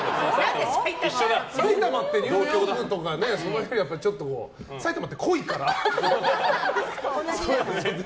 埼玉ってニューヨークとかよりちょっと埼玉って濃いから。